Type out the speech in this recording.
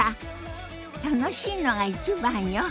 楽しいのが一番よ。